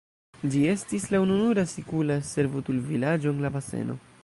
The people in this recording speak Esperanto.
Ĝi estis la ununura sikula servutulvilaĝo en la baseno.